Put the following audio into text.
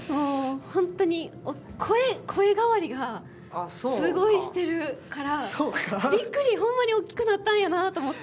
本当に声変わりがすごいしてるからびっくり、ほんまに大きくなったんやなと思って。